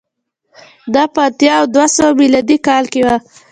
دا په اتیا او دوه سوه میلادي کال کې و